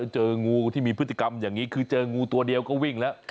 เจองูที่มีพฤติกรรมอย่างนี้คือเจองูตัวเดียวก็วิ่งแล้ว